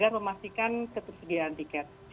memastikan ketersediaan tiket